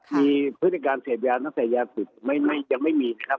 มีพฤติการเสพยาตั้งแต่ยาติดยังไม่มีครับ